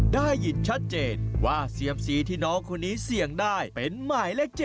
ได้ยินชัดเจนว่าเซียมซีที่น้องคนนี้เสี่ยงได้เป็นหมายเลข๗